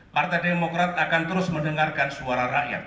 partai demokrat akan terus mendengarkan suara rakyat